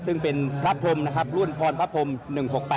ซึ่งเป็นพรพโมรุ่นพรพโม๑๖๘